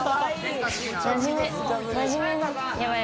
真面目。